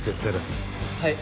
はい。